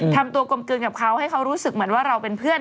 ทำตัวกลมกลืนกับเขาให้เขารู้สึกเหมือนว่าเราเป็นเพื่อน